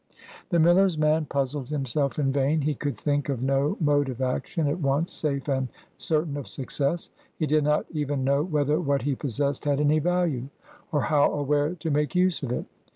The miller's man puzzled himself in vain. He could think of no mode of action at once safe and certain of success. He did not even know whether what he possessed had any value, or how or where to make use of it.